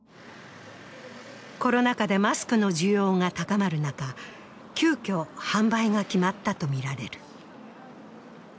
コロナ禍でマスクの需要が高まる中、急きょ販売が決まったとみられる。